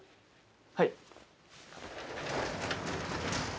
はい。